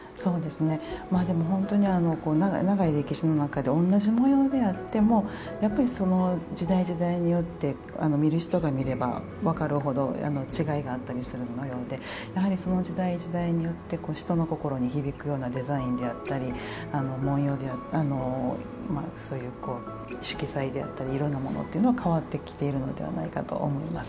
まあでも本当に長い歴史の中でおんなじ文様であってもやっぱり時代時代によって見る人が見れば分かるほど違いがあったりするのでやはりその時代時代によって人の心に響くようなデザインであったり文様そういう色彩であったりいろんなものっていうのは変わってきているのではないかと思います。